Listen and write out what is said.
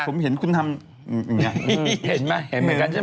ผมเห็นคุณทำอย่างนี้